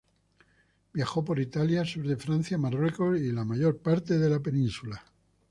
Viajó por Italia, sur de Francia, Marruecos y la mayor parte de la Península.